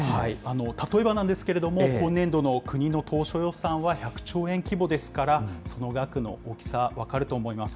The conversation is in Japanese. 例えばなんですけれども、今年度の国の当初予算は１００兆円規模ですから、その額の大きさ、分かると思います。